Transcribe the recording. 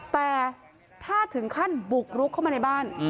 แต่ถ้าถึงขั้นบุกรุกเข้ามาในบ้าน